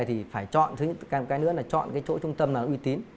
thì phải chọn cái nữa là chọn cái chỗ trung tâm nào uy tín